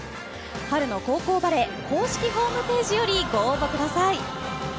春の高校バレー公式ホームページよりご応募ください。